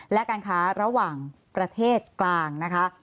และการค้าระหว่างประเทศกลางนะคะ